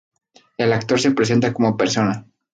El actor se presenta como persona.